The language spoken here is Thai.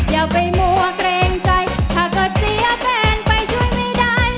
อย่าไปมัวเกรงใจถ้าเกิดเสียแฟนไปช่วยไม่ได้